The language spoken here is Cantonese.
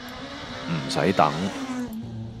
唔洗等